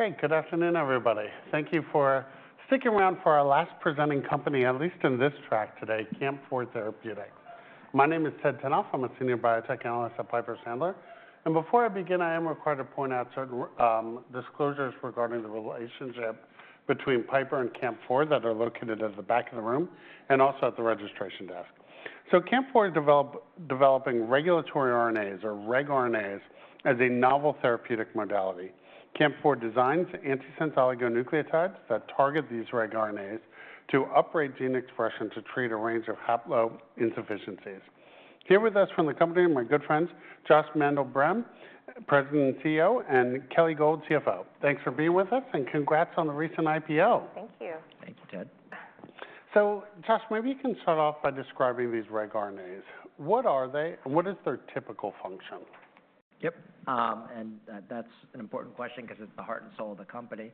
Okay, good afternoon, everybody. Thank you for sticking around for our last presenting company, at least in this track today, Camp4 Therapeutics. My name is Ted Tenthoff. I'm a Senior Biotech Analyst at Piper Sandler, and before I begin, I am required to point out certain disclosures regarding the relationship between Piper and Camp4 that are located at the back of the room and also at the registration desk, so Camp4 is developing regulatory RNAs, or regRNAs, as a novel therapeutic modality. Camp4 designs antisense oligonucleotides that target these regRNAs to upgrade gene expression to treat a range of haploinsufficiencies. Here with us from the company are my good friends, Josh Mandel-Brehm, President and CEO, and Kelly Gold, CFO. Thanks for being with us, and congrats on the recent IPO. Thank you. Thank you, Ted. So Josh, maybe you can start off by describing these regRNAs. What are they, and what is their typical function? Yep, and that's an important question because it's the heart and soul of the company.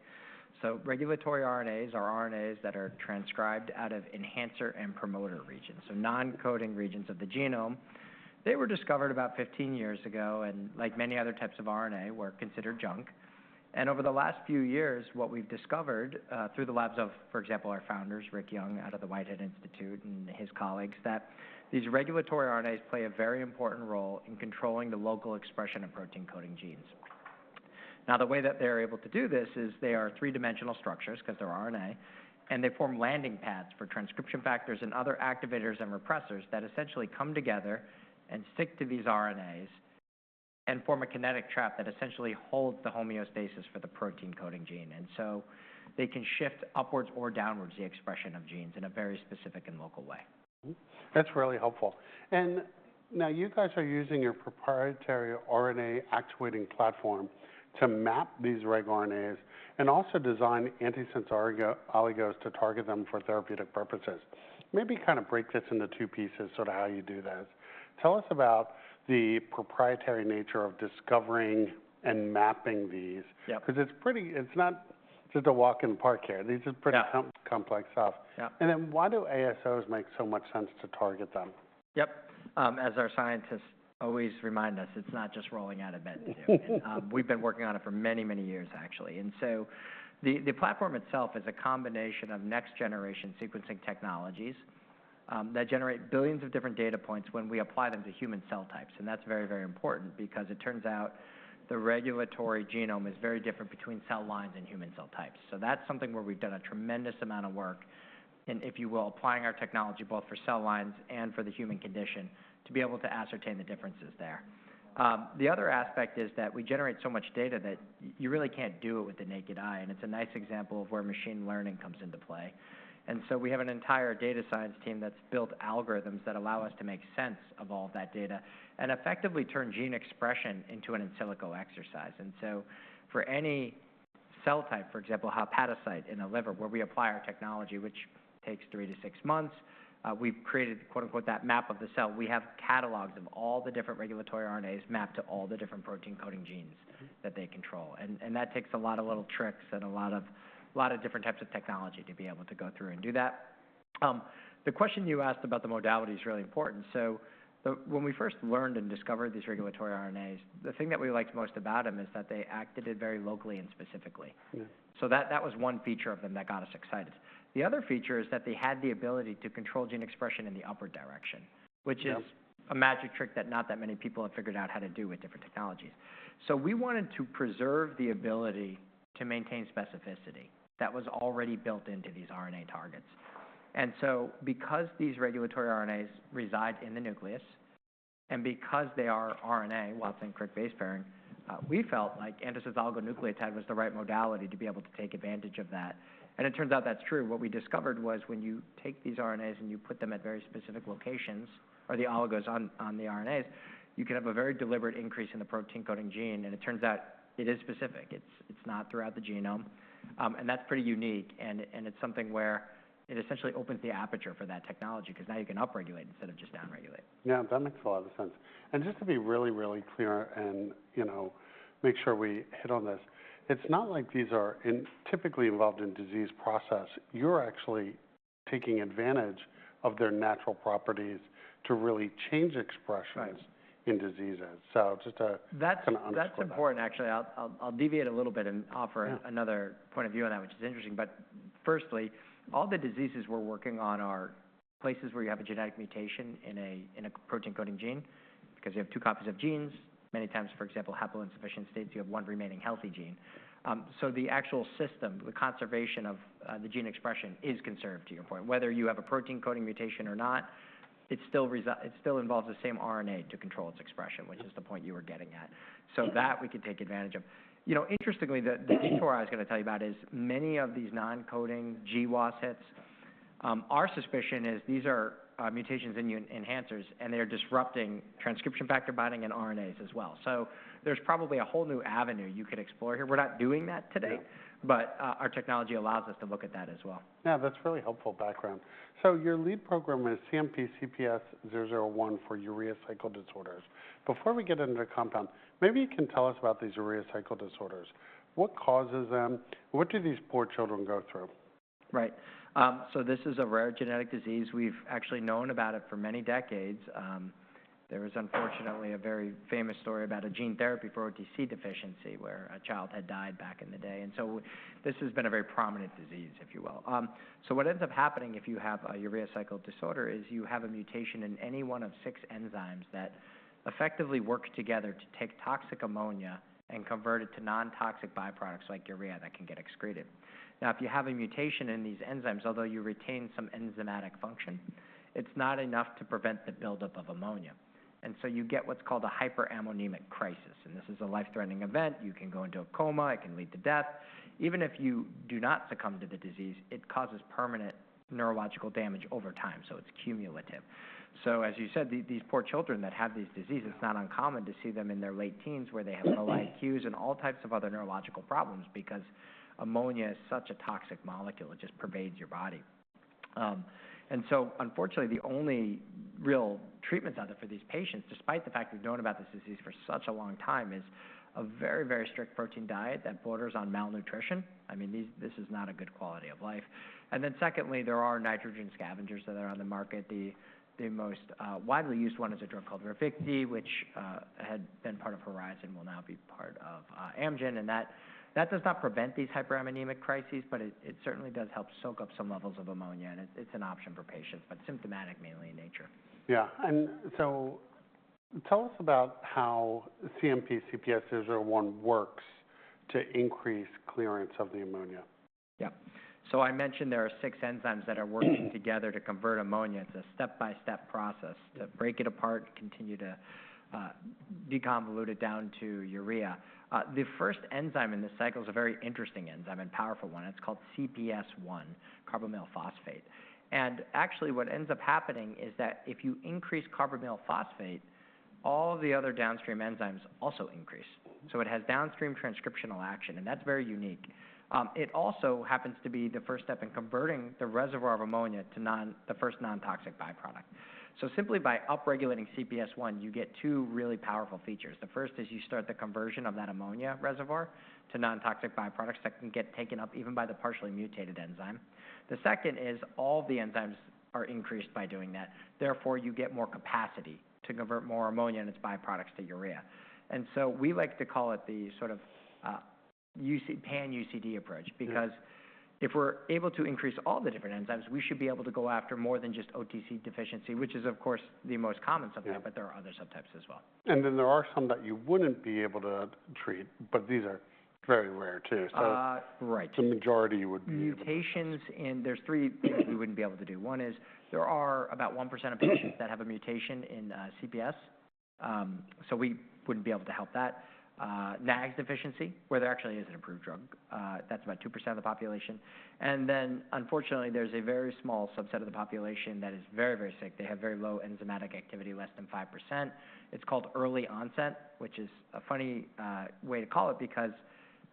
So regulatory RNAs are RNAs that are transcribed out of enhancer and promoter regions, so non-coding regions of the genome. They were discovered about 15 years ago, and like many other types of RNA, were considered junk. And over the last few years, what we've discovered through the labs of, for example, our founders, Rick Young out of the Whitehead Institute and his colleagues, is that these regulatory RNAs play a very important role in controlling the local expression of protein-coding genes. Now, the way that they're able to do this is they are three-dimensional structures because they're RNA, and they form landing pads for transcription factors and other activators and repressors that essentially come together and stick to these RNAs and form a kinetic trap that essentially holds the homeostasis for the protein-coding gene. And so they can shift upward or downward the expression of genes in a very specific and local way. That's really helpful. And now you guys are using your proprietary RNA-activating platform to map these regRNAs and also design antisense oligos to target them for therapeutic purposes. Maybe kind of break this into two pieces, sort of how you do this. Tell us about the proprietary nature of discovering and mapping these. Yep. Because it's pretty, it's not just a walk in the park here. These are pretty complex stuff. Yeah. And then why do ASOs make so much sense to target them? Yep. As our scientists always remind us, it's not just rolling out a method to do. We've been working on it for many, many years, actually, and so the platform itself is a combination of next-generation sequencing technologies that generate billions of different data points when we apply them to human cell types, and that's very, very important because it turns out the regulatory genome is very different between cell lines and human cell types, so that's something where we've done a tremendous amount of work in, if you will, applying our technology both for cell lines and for the human condition to be able to ascertain the differences there. The other aspect is that we generate so much data that you really can't do it with the naked eye, and it's a nice example of where machine learning comes into play. And so we have an entire data science team that's built algorithms that allow us to make sense of all of that data and effectively turn gene expression into an encyclopedic exercise. And so for any cell type, for example, hepatocyte in the liver, where we apply our technology, which takes three to six months, we've created, quote unquote, that map of the cell. We have catalogs of all the different regulatory RNAs mapped to all the different protein-coding genes that they control. And that takes a lot of little tricks and a lot of different types of technology to be able to go through and do that. The question you asked about the modality is really important. So when we first learned and discovered these regulatory RNAs, the thing that we liked most about them is that they acted very locally and specifically. So that was one feature of them that got us excited. The other feature is that they had the ability to control gene expression in the upward direction, which is a magic trick that not that many people have figured out how to do with different technologies. So we wanted to preserve the ability to maintain specificity that was already built into these RNA targets. And so because these regulatory RNAs reside in the nucleus and because they are RNA, Watson-Crick base pairing, we felt like antisense oligonucleotide was the right modality to be able to take advantage of that. And it turns out that's true. What we discovered was when you take these RNAs and you put them at very specific locations, or the oligos on the RNAs, you can have a very deliberate increase in the protein-coding gene. And it turns out it is specific. It's not throughout the genome. And that's pretty unique. And it's something where it essentially opens the aperture for that technology because now you can upregulate instead of just downregulate. Yeah, that makes a lot of sense. And just to be really, really clear and make sure we hit on this, it's not like these are typically involved in disease process. You're actually taking advantage of their natural properties to really change expressions in diseases. So just to kind of understand. That's important, actually. I'll deviate a little bit and offer another point of view on that, which is interesting. But firstly, all the diseases we're working on are places where you have a genetic mutation in a protein-coding gene because you have two copies of genes. Many times, for example, haploinsufficient states, you have one remaining healthy gene. So the actual system, the conservation of the gene expression is conserved, to your point. Whether you have a protein-coding mutation or not, it still involves the same RNA to control its expression, which is the point you were getting at. So that we could take advantage of. Interestingly, the detour I was going to tell you about is many of these non-coding GWAS hits, our suspicion is these are mutations in your enhancers, and they are disrupting transcription factor binding and RNAs as well. So there's probably a whole new avenue you could explore here. We're not doing that today, but our technology allows us to look at that as well. Yeah, that's really helpful background. So your lead program is CMP-CPS-001 for urea cycle disorders. Before we get into the compound, maybe you can tell us about these urea cycle disorders. What causes them? What do these poor children go through? Right, so this is a rare genetic disease. We've actually known about it for many decades. There is, unfortunately, a very famous story about a gene therapy for OTC deficiency where a child had died back in the day, and so this has been a very prominent disease, if you will, so what ends up happening if you have a urea cycle disorder is you have a mutation in any one of six enzymes that effectively work together to take toxic ammonia and convert it to non-toxic byproducts like urea that can get excreted. Now, if you have a mutation in these enzymes, although you retain some enzymatic function, it's not enough to prevent the buildup of ammonia, and so you get what's called a hyperammonemic crisis, and this is a life-threatening event. You can go into a coma. It can lead to death. Even if you do not succumb to the disease, it causes permanent neurological damage over time. So it's cumulative. So as you said, these poor children that have these diseases, it's not uncommon to see them in their late teens where they have low IQs and all types of other neurological problems because ammonia is such a toxic molecule. It just pervades your body. And so, unfortunately, the only real treatments out there for these patients, despite the fact we've known about this disease for such a long time, is a very, very strict protein diet that borders on malnutrition. I mean, this is not a good quality of life. And then secondly, there are nitrogen scavengers that are on the market. The most widely used one is a drug called Revicti, which had been part of Horizon and will now be part of Amgen. That does not prevent these hyperammonemic crises, but it certainly does help soak up some levels of ammonia. It's an option for patients, but symptomatic mainly in nature. Yeah, and so tell us about how CMP-CPS-001 works to increase clearance of the ammonia? Yep. So I mentioned there are six enzymes that are working together to convert ammonia. It's a step-by-step process to break it apart and continue to deconvolute it down to urea. The first enzyme in this cycle is a very interesting enzyme and powerful one. It's called CPS-1, carbamoyl phosphate. And actually, what ends up happening is that if you increase carbamoyl phosphate, all of the other downstream enzymes also increase. So it has downstream transcriptional action, and that's very unique. It also happens to be the first step in converting the reservoir of ammonia to the first non-toxic byproduct. So simply by upregulating CPS-1, you get two really powerful features. The first is you start the conversion of that ammonia reservoir to non-toxic byproducts that can get taken up even by the partially mutated enzyme. The second is all the enzymes are increased by doing that. Therefore, you get more capacity to convert more ammonia and its byproducts to urea, and so we like to call it the sort of pan-UCD approach because if we're able to increase all the different enzymes, we should be able to go after more than just OTC deficiency, which is, of course, the most common subtype, but there are other subtypes as well. And then there are some that you wouldn't be able to treat, but these are very rare too. Right. The majority would be. Mutations in, there's three things we wouldn't be able to do. One is there are about 1% of patients that have a mutation in CPS, so we wouldn't be able to help that. NAGS deficiency, where there actually is an approved drug, that's about 2% of the population. And then, unfortunately, there's a very small subset of the population that is very, very sick. They have very low enzymatic activity, less than 5%. It's called early onset, which is a funny way to call it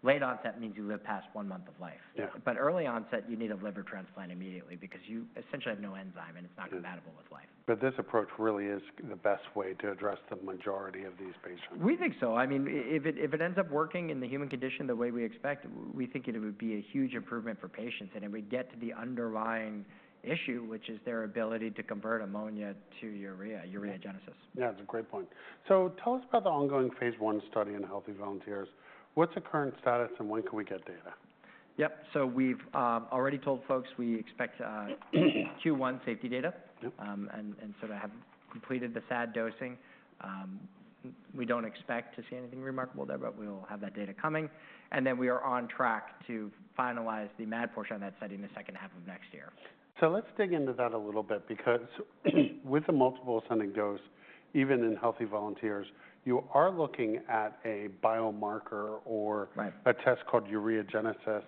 because late onset means you live past one month of life. But early onset, you need a liver transplant immediately because you essentially have no enzyme and it's not compatible with life. But this approach really is the best way to address the majority of these patients. We think so. I mean, if it ends up working in the human condition the way we expect, we think it would be a huge improvement for patients, and it would get to the underlying issue, which is their ability to convert ammonia to urea, ureagenesis. Yeah, that's a great point. So tell us about the ongoing phase I study in healthy volunteers. What's the current status and when can we get data? Yep. So we've already told folks we expect Q1 safety data. And so they have completed the SAD dosing. We don't expect to see anything remarkable there, but we'll have that data coming. And then we are on track to finalize the MAD portion of that study in the second half of next year. So let's dig into that a little bit because with the multiple ascending dose, even in healthy volunteers, you are looking at a biomarker or a test called ureagenesis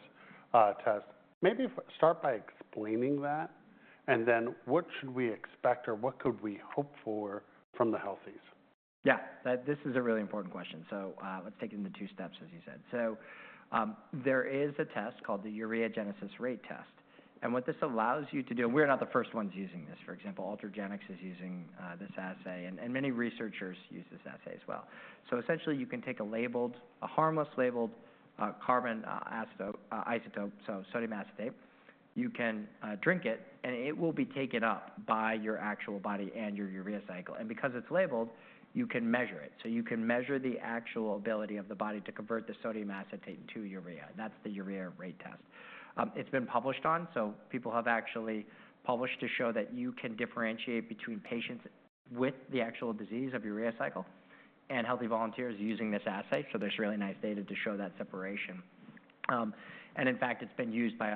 test. Maybe start by explaining that and then what should we expect or what could we hope for from the healthies? Yeah, this is a really important question. So let's take it into two steps, as you said. So there is a test called the ureagenesis rate test. And what this allows you to do, and we're not the first ones using this, for example, Ultragenyx is using this assay, and many researchers use this assay as well. So essentially, you can take a labeled, a harmless labeled carbon isotope, so sodium acetate, you can drink it, and it will be taken up by your actual body and your urea cycle. And because it's labeled, you can measure it. So you can measure the actual ability of the body to convert the sodium acetate into urea. That's the ureagenesis rate test. It's been published on, so people have actually published to show that you can differentiate between patients with the actual disease of urea cycle and healthy volunteers using this assay, so there's really nice data to show that separation. And in fact, it's been used by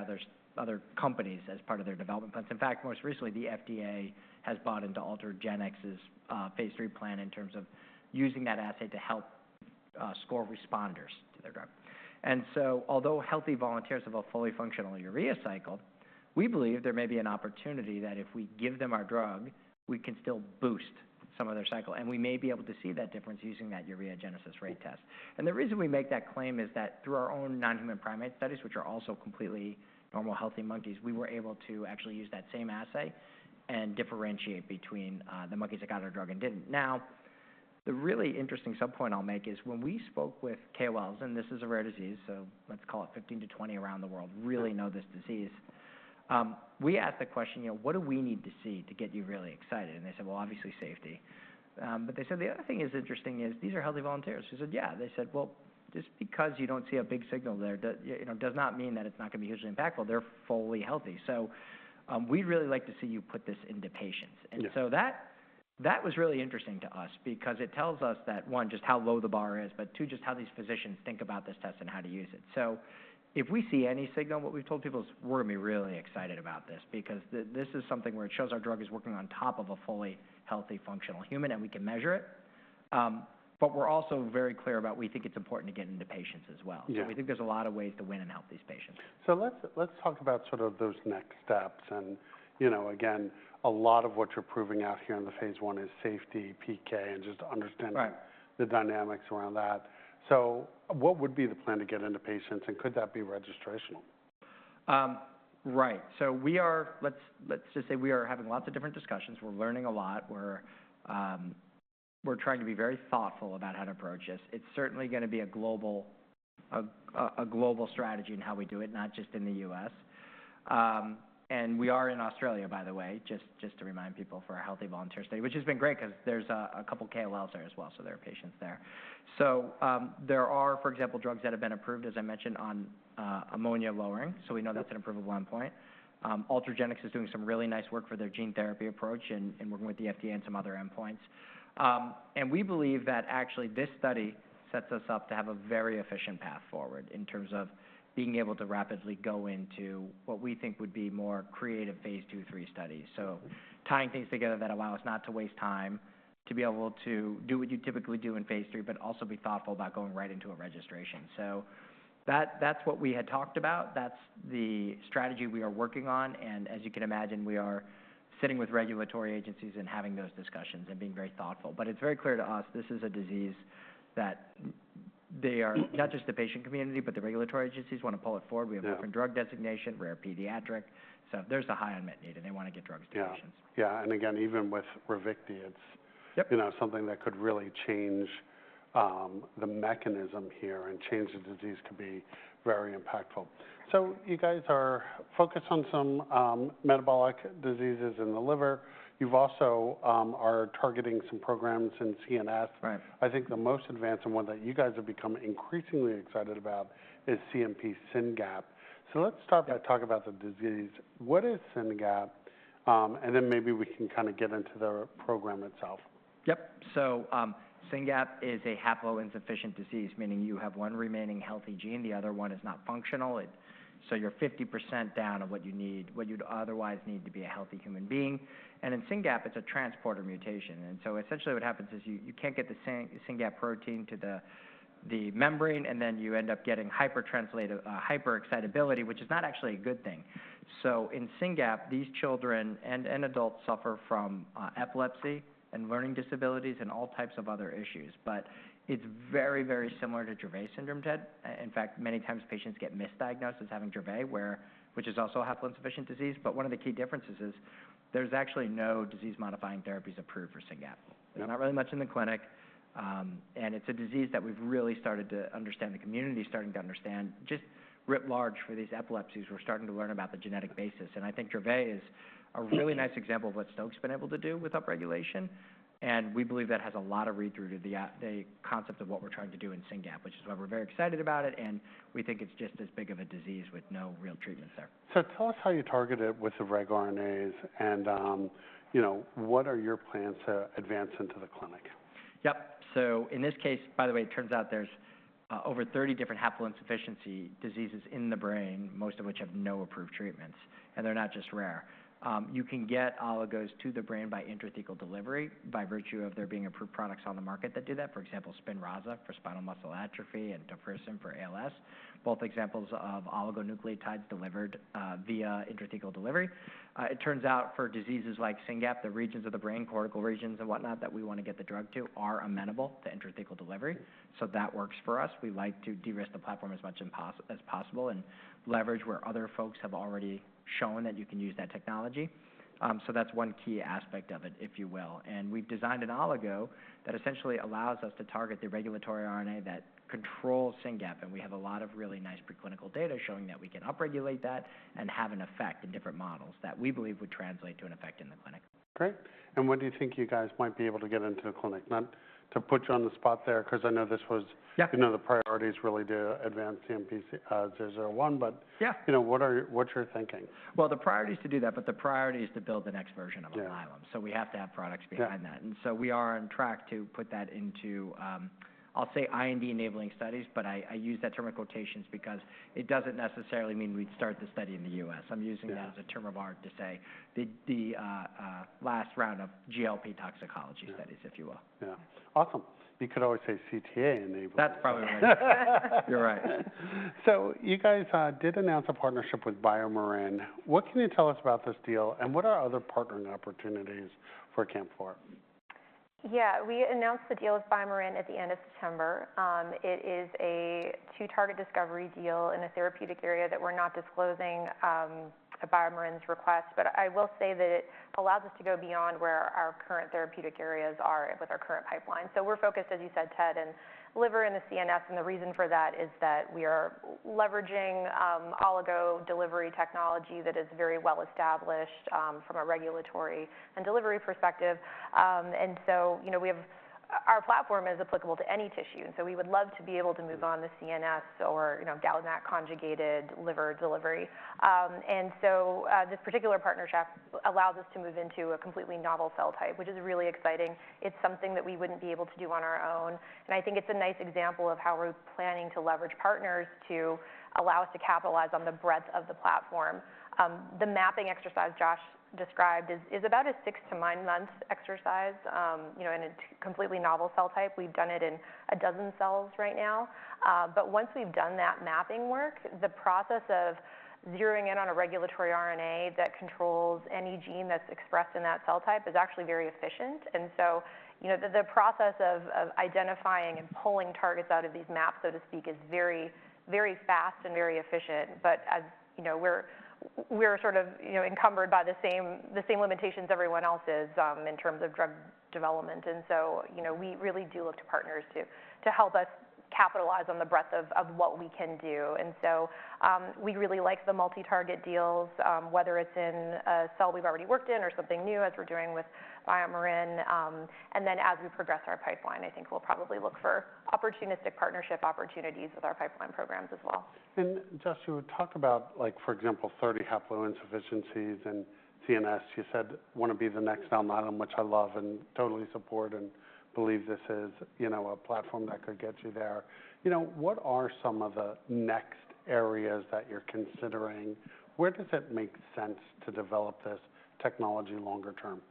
other companies as part of their development plans. In fact, most recently, the FDA has bought into Ultragenyx's phase III plan in terms of using that assay to help score responders to their drug. And so although healthy volunteers have a fully functional urea cycle, we believe there may be an opportunity that if we give them our drug, we can still boost some of their cycle. And we may be able to see that difference using that ureagenesis rate test. And the reason we make that claim is that through our own non-human primate studies, which are also completely normal healthy monkeys, we were able to actually use that same assay and differentiate between the monkeys that got our drug and didn't. Now, the really interesting subpoint I'll make is when we spoke with KOLs, and this is a rare disease, so let's call it 15-20 around the world really know this disease. We asked the question, you know, what do we need to see to get you really excited? And they said, well, obviously safety. But they said the other thing that's interesting is these are healthy volunteers. We said, yeah. They said, well, just because you don't see a big signal there does not mean that it's not going to be hugely impactful. They're fully healthy. So we'd really like to see you put this into patients. And so that was really interesting to us because it tells us that, one, just how low the bar is, but two, just how these physicians think about this test and how to use it. So if we see any signal, what we've told people is we're going to be really excited about this because this is something where it shows our drug is working on top of a fully healthy, functional human, and we can measure it. But we're also very clear about we think it's important to get into patients as well. So we think there's a lot of ways to win and help these patients. Let's talk about sort of those next steps. Again, a lot of what you're proving out here in the phase I is safety, PK, and just understanding the dynamics around that. What would be the plan to get into patients, and could that be registrational? Right. So let's just say we are having lots of different discussions. We're learning a lot. We're trying to be very thoughtful about how to approach this. It's certainly going to be a global strategy in how we do it, not just in the U.S. And we are in Australia, by the way, just to remind people for our healthy volunteer study, which has been great because there's a couple of KOLs there as well. So there are patients there. So there are, for example, drugs that have been approved, as I mentioned, on ammonia lowering. So we know that's an important endpoint. Ultragenyx is doing some really nice work for their gene therapy approach and working with the FDA and some other endpoints. And we believe that actually this study sets us up to have a very efficient path forward in terms of being able to rapidly go into what we think would be more creative phase II, three studies. So tying things together that allow us not to waste time, to be able to do what you typically do in phase III, but also be thoughtful about going right into a registration. So that's what we had talked about. That's the strategy we are working on. And as you can imagine, we are sitting with regulatory agencies and having those discussions and being very thoughtful. But it's very clear to us this is a disease that not just the patient community, but the regulatory agencies want to pull it forward. We have different drug designation, rare pediatric. So there's a high unmet need, and they want to get drugs to patients. Yeah. And again, even with Revicti, it's something that could really change the mechanism here and change the disease, could be very impactful. So you guys are focused on some metabolic diseases in the liver. You also are targeting some programs in CNS. I think the most advanced and one that you guys have become increasingly excited about is CMP-SYNGAP. So let's start by talking about the disease. What is SYNGAP? And then maybe we can kind of get into the program itself. Yep, so SYNGAP is a haploinsufficient disease, meaning you have one remaining healthy gene. The other one is not functional, so you're 50% down of what you'd otherwise need to be a healthy human being, and in SYNGAP, it's a transporter mutation, and so essentially what happens is you can't get the SYNGAP protein to the membrane, and then you end up getting hypertranslated, hyperexcitability, which is not actually a good thing, so in SYNGAP, these children and adults suffer from epilepsy and learning disabilities and all types of other issues, but it's very, very similar to Dravet syndrome, Ted. In fact, many times patients get misdiagnosed as having Dravet, which is also a haploinsufficient disease, but one of the key differences is there's actually no disease-modifying therapies approved for SYNGAP. There's not really much in the clinic. And it's a disease that we've really started to understand, the community starting to understand just writ large for these epilepsies. We're starting to learn about the genetic basis. And I think Dravet is a really nice example of what Stoke has been able to do with upregulation. And we believe that has a lot of read-through to the concept of what we're trying to do in Syngap, which is why we're very excited about it. And we think it's just as big of a disease with no real treatments there. So tell us how you target it with the reg RNAs and what are your plans to advance into the clinic? Yep. So in this case, by the way, it turns out there's over 30 different haploinsufficiency diseases in the brain, most of which have no approved treatments. And they're not just rare. You can get oligos to the brain by intrathecal delivery by virtue of there being approved products on the market that do that. For example, Spinraza for spinal muscular atrophy and Qalsody for ALS, both examples of oligonucleotides delivered via intrathecal delivery. It turns out for diseases like SYNGAP, the regions of the brain, cortical regions and whatnot that we want to get the drug to are amenable to intrathecal delivery. So that works for us. We like to de-risk the platform as much as possible and leverage where other folks have already shown that you can use that technology. So that's one key aspect of it, if you will. We've designed an oligo that essentially allows us to target the regulatory RNA that controls SYNGAP1. We have a lot of really nice preclinical data showing that we can upregulate that and have an effect in different models that we believe would translate to an effect in the clinic. Great. And when do you think you guys might be able to get into the clinic? Not to put you on the spot there because I know this was, you know, the priorities really to advance CMP-CPS-001, but what's your thinking? The priority is to do that, but the priority is to build the next version of Alnylam. We have to have products behind that. We are on track to put that into, I'll say, "IND-enabling studies," but I use that term in quotations because it doesn't necessarily mean we'd start the study in the U.S. I'm using that as a term of art to say the last round of GLP toxicology studies, if you will. Yeah. Awesome. You could always say CTA enabling. That's probably right. You're right. So you guys did announce a partnership with BioMarin. What can you tell us about this deal and what are other partnering opportunities for Camp4? Yeah, we announced the deal with BioMarin at the end of September. It is a two-target discovery deal in a therapeutic area that we're not disclosing at BioMarin's request, but I will say that it allows us to go beyond where our current therapeutic areas are with our current pipeline. So we're focused, as you said, Ted, in liver and the CNS. And the reason for that is that we are leveraging oligo delivery technology that is very well established from a regulatory and delivery perspective. And so our platform is applicable to any tissue. And so we would love to be able to move on the CNS or GalNAc-conjugated liver delivery. And so this particular partnership allows us to move into a completely novel cell type, which is really exciting. It's something that we wouldn't be able to do on our own. I think it's a nice example of how we're planning to leverage partners to allow us to capitalize on the breadth of the platform. The mapping exercise Josh described is about a six-to-nine-month exercise, and it's a completely novel cell type. We've done it in a dozen cells right now. Once we've done that mapping work, the process of zeroing in on a regulatory RNA that controls any gene that's expressed in that cell type is actually very efficient. The process of identifying and pulling targets out of these maps, so to speak, is very, very fast and very efficient. We're sort of encumbered by the same limitations everyone else is in terms of drug development. We really do look to partners to help us capitalize on the breadth of what we can do. And so we really like the multi-target deals, whether it's in a cell we've already worked in or something new as we're doing with BioMarin. And then as we progress our pipeline, I think we'll probably look for opportunistic partnership opportunities with our pipeline programs as well. Josh, you talked about, for example, 30 haploinsufficiencies and CNS. You said you want to be the next Alnylam, which I love and totally support and believe this is a platform that could get you there. What are some of the next areas that you're considering? Where does it make sense to develop this technology longer term?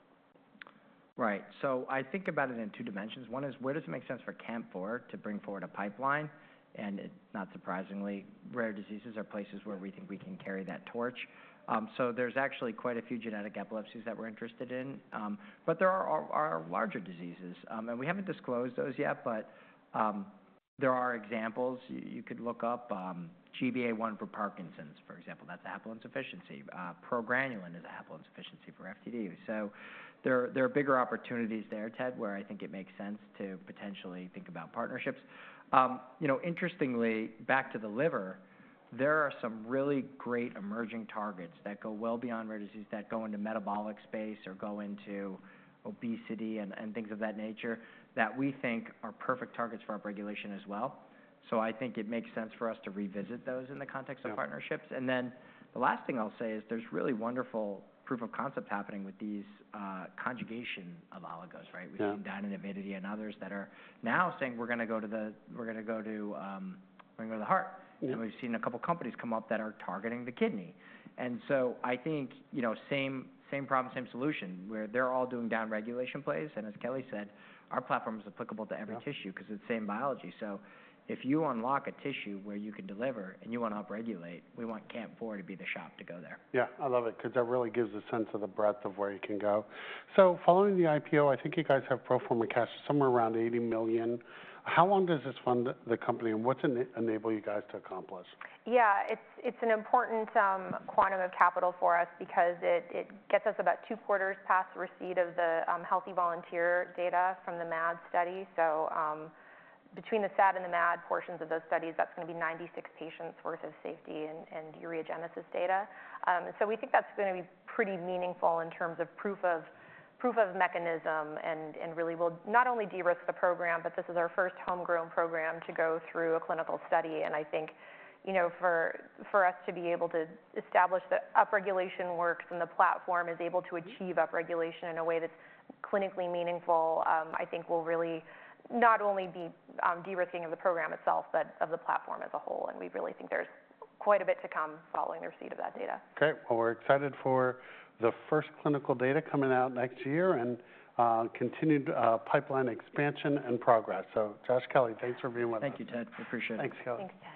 Right. So I think about it in two dimensions. One is where does it make sense for Camp4 to bring forward a pipeline? And not surprisingly, rare diseases are places where we think we can carry that torch. So there's actually quite a few genetic epilepsies that we're interested in. But there are larger diseases. And we haven't disclosed those yet, but there are examples. You could look up GBA1 for Parkinson's, for example. That's a haploinsufficiency. Progranulin is a haploinsufficiency for FTD. So there are bigger opportunities there, Ted, where I think it makes sense to potentially think about partnerships. Interestingly, back to the liver, there are some really great emerging targets that go well beyond rare diseases that go into metabolic space or go into obesity and things of that nature that we think are perfect targets for upregulation as well. So I think it makes sense for us to revisit those in the context of partnerships. And then the last thing I'll say is there's really wonderful proof of concept happening with these conjugation of oligos, right? We've seen Dyne, Avidity and others that are now saying we're going to go to the heart. And we've seen a couple of companies come up that are targeting the kidney. And so I think same problem, same solution where they're all doing downregulation plays. And as Kelly said, our platform is applicable to every tissue because it's same biology. So if you unlock a tissue where you can deliver and you want to upregulate, we want Camp4 to be the shop to go there. Yeah, I love it because that really gives a sense of the breadth of where you can go. So following the IPO, I think you guys have pro forma cash somewhere around $80 million. How long does this fund the company and what's it enable you guys to accomplish? Yeah, it's an important quantum of capital for us because it gets us about two quarters past the receipt of the healthy volunteer data from the MAD study. So between the SAD and the MAD portions of those studies, that's going to be 96 patients' worth of safety and ureagenesis data. We think that's going to be pretty meaningful in terms of proof of mechanism and really will not only de-risk the program, but this is our first homegrown program to go through a clinical study. I think for us to be able to establish that upregulation works and the platform is able to achieve upregulation in a way that's clinically meaningful, I think will really not only be de-risking of the program itself, but of the platform as a whole. We really think there's quite a bit to come following the receipt of that data. Okay, well, we're excited for the first clinical data coming out next year and continued pipeline expansion and progress, so Josh, Kelly, thanks for being with us. Thank you, Ted. We appreciate it. Thanks, Kelly. Thanks, Ted. I appreciate it.